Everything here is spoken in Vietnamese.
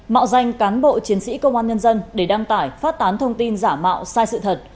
mạo danh cán bộ chiến sĩ công an nhân dân để đăng tải phát tán thông tin giả mạo sai sự thật